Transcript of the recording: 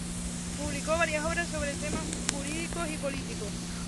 Publicó varias obras sobre temas jurídicos y políticos.